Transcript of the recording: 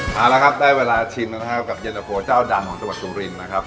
เอาละครับได้เวลาชิมกับเย็นเจ้าโฟดำของสวัสดิ์สุรินทร์นะครับ